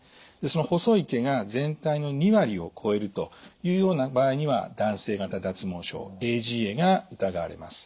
その細い毛が全体の２割を超えるというような場合には男性型脱毛症ＡＧＡが疑われます。